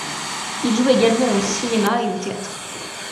Il joue également au cinéma et au théâtre.